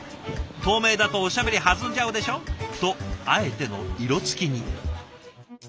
「透明だとおしゃべり弾んじゃうでしょ」とあえての色つきに。